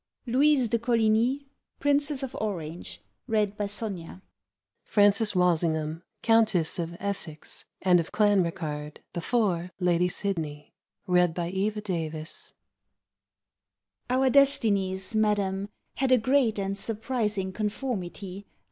LOUISE DE COLIGNI, PRINCESS OF ORANGE FRANCES WALSINGHAM, COUNTESS OF ESSEX AND OF CLANRICARDE; BEFORE, LADY SIDNEY. Princess of Orange. Our destinies, madam, had a great and surprising conformity.